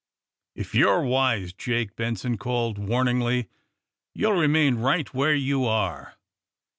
'^ If you're wise, Jake," Benson called, warn i^^ty? ''you '11 remain right where you are.